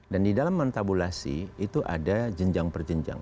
dan di dalam mentabulasi itu ada jenjang per jenjang